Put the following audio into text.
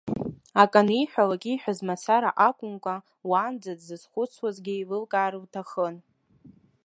Акы аниҳәалак, ииҳәаз мацара акәымкәа, уаанӡа дзызхәыцуазгьы еилылкаар лҭахын.